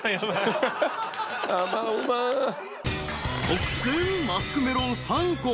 ［特選マスクメロン３個。